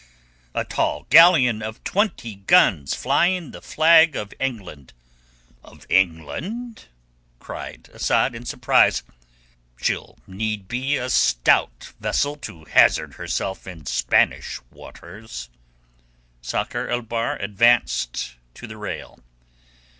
"A tall galleon of twenty guns, flying the flag of England. "Of England!" cried Asad in surprise. "She'll need be a stout vessel to hazard herself in Spanish waters." Sakr el Bahr advanced to the rail.